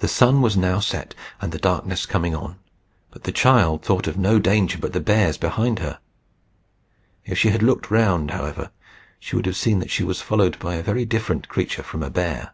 The sun was now set, and the darkness coming on, but the child thought of no danger but the bears behind her. If she had looked round, however, she would have seen that she was followed by a very different creature from a bear.